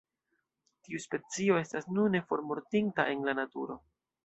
Tiu specio estas nune formortinta en la naturo.